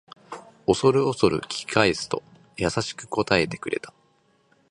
おそるおそる聞き返すと優しく答えてくれた